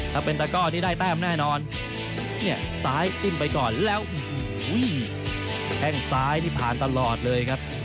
ถ้าเป็นตะก้อนี่ได้แต้มแน่นอนเนี่ยซ้ายจิ้มไปก่อนแล้วแข้งซ้ายนี่ผ่านตลอดเลยครับ